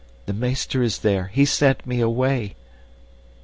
The meester is there. He sent me away!"